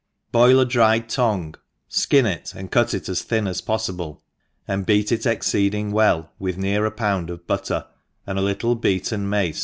BOIL a dried tongue, Ikin it, and cut it as thin as poflible, and beat it exceeding well with near a pound of butter and a little beaten mace.